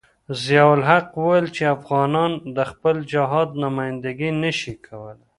ضیاء الحق ویل چې افغانان د خپل جهاد نمايندګي نشي کولای.